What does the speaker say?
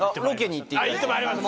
行ってまいりました。